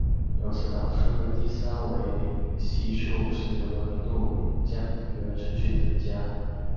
由此导出的第三维里系数随着温度降低而持续增加。